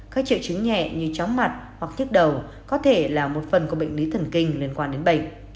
các triệu chứng nhẹ như chóng mặt hoặc tiếc đầu có thể là một phần của bệnh lý thần kinh liên quan đến bệnh